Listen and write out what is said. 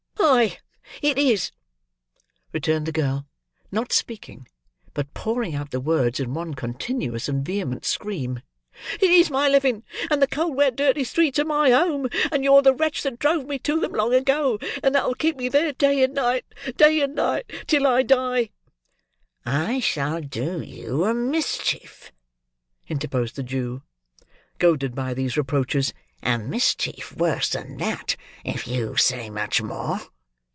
"Aye, it is!" returned the girl; not speaking, but pouring out the words in one continuous and vehement scream. "It is my living; and the cold, wet, dirty streets are my home; and you're the wretch that drove me to them long ago, and that'll keep me there, day and night, day and night, till I die!" "I shall do you a mischief!" interposed the Jew, goaded by these reproaches; "a mischief worse than that, if you say much more!"